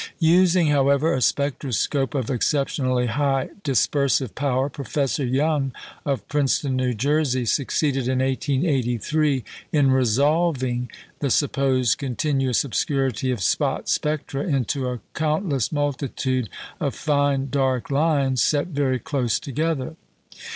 Using, however, a spectroscope of exceptionally high dispersive power, Professor Young of Princeton, New Jersey, succeeded in 1883 in "resolving" the supposed continuous obscurity of spot spectra into a countless multitude of fine dark lines set very close together.